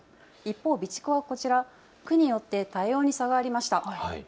一方、備蓄は区によって対応に差がありました。